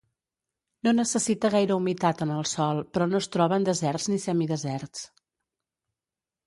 No necessita gaire humitat en el sòl però no es troba en deserts ni semideserts.